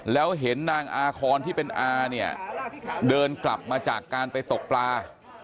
แล้วเห็นนางอาคอนที่เป็นอาเนี่ยเดินกลับมาจากการไปตกปลา